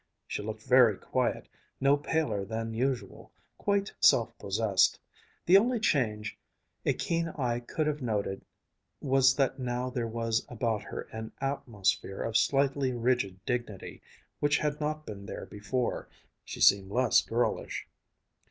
She looked very quiet, no paler than usual, quite self possessed. The only change a keen eye could have noted was that now there was about her an atmosphere of slightly rigid dignity, which had not been there before. She seemed less girlish.